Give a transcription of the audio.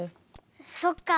そっか。